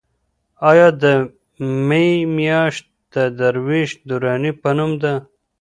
ایا د مې میاشت د درویش دراني په نوم ده؟